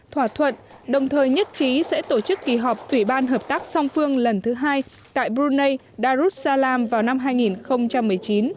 thỏa thuận đồng thời nhất trí sẽ tổ chức kỳ họp thủy ban hợp tác song phương lần thứ hai tại brunei darussalam vào năm hai nghìn một mươi chín